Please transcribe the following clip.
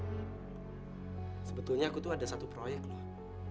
sebetulnya aku tuh ada satu proyek loh